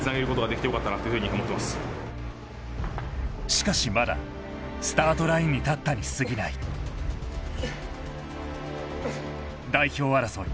しかしまだスタートラインに立ったにすぎない代表争い